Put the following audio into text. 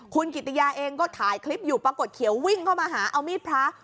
คุณกิติยาเองก็ถ่ายคลิปอยู่ปรากฏเขียววิ่งเข้ามาหาเอามีดพระ